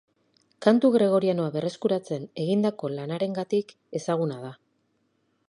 Kantu gregorianoa berreskuratzen egindako lanarengatik ezaguna da.